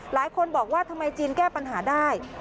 หลายคนบอกว่าทำไมจีนแก้ปัญหาได้